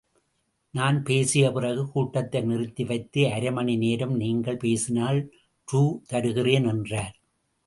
நான்பேசிய பிறகு கூட்டத்தை நிறுத்தி வைத்து அரைமணி நேரம் நீங்கள் பேசினால் ரூ. தருகிறேன் என்றார்.